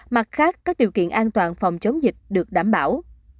mặt khác các điều kiện an toàn phòng chống dịch được đảm bảo